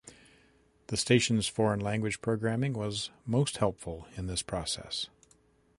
The station's foreign language programming was most helpful in this process.